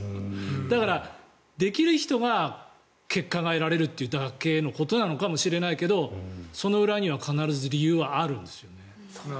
だから、できる人が結果が得られるだけということなのかもしれないけどその裏には必ず理由はあるんですよね。